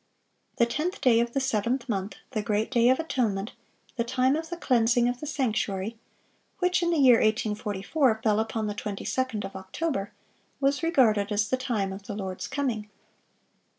The tenth day of the seventh month, the great day of atonement, the time of the cleansing of the sanctuary, which in the year 1844 fell upon the twenty second of October, was regarded as the time of the Lord's coming.